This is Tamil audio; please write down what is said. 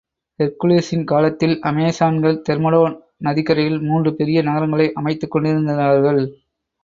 ஹெர்க்குலிஸின் காலத்தில் அமெசான்கள் தெர்மோடோன் நதிக்கரையில் மூன்று பெரிய நகரங்களை அமைத்துக்கொண்டிருந்தார்கள்.